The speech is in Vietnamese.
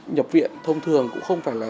nhập viện thông thường cũng không phải là